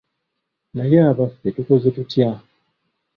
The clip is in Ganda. Naye abaffe tukoze tutya?